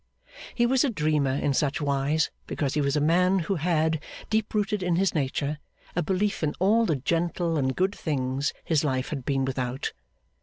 He was a dreamer in such wise, because he was a man who had, deep rooted in his nature, a belief in all the gentle and good things his life had been without.